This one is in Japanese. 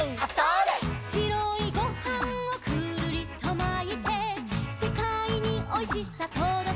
「しろいごはんをくるりとまいて」「せかいにおいしさとどけます」